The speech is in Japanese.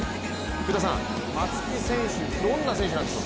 福田さん、松木選手、どんな選手なんでしょう？